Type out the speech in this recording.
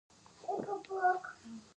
په افغانستان کې د طبیعي زیرمې منابع شته.